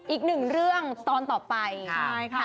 อีกหนึ่งเรื่องตอนต่อไปใช่ค่ะ